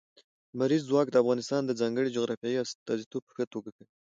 لمریز ځواک د افغانستان د ځانګړي جغرافیې استازیتوب په ښه توګه کوي.